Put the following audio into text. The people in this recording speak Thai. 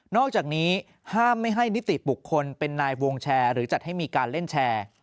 อกจากนี้ห้ามไม่ให้นิติบุคคลเป็นนายวงแชร์หรือจัดให้มีการเล่นแชร์